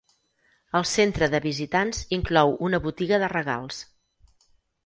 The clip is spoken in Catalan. El centre de visitants inclou una botiga de regals.